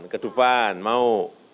ke dufan mau